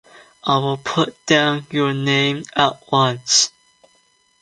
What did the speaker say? I will put down your name at once.